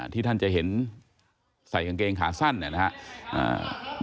ที่ท่านจะเห็นใส่กางเกงขาสั้นเนี่ยนะครับ